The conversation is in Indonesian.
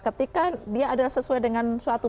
ketika dia adalah sesuai dengan suatu